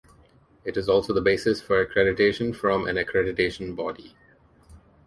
It is also the basis for accreditation from an accreditation body.